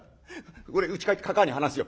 俺うち帰ってかかあに話すよ。